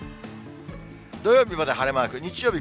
土曜日まで晴れマーク、日曜日